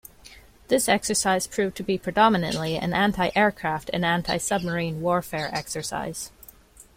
This exercise proved to be predominately an anti-aircraft and anti-submarine warfare exercise.